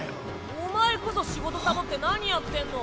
お前こそ仕事サボって何やってんの？